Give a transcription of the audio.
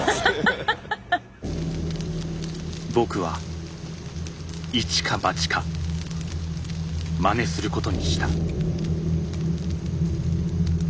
僕はいちかばちかまねすることにした。